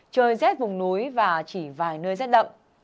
trời rét vùng núi và chỉ vài nơi rét đậm